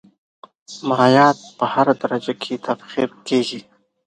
مایعات په هره درجه کې تبخیر کیږي.